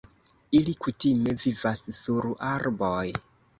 Ili kutime vivas sur arboj.